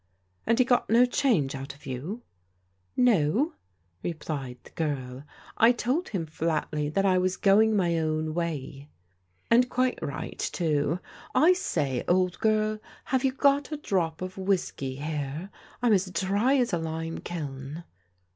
" And he got no change out of you ?"" No," replied the giri. " I told him flatly that I was going my own way." "And quite right, too. I say, old girl, have you got a drop of whiskey here? I'm as dry as a lime kiln."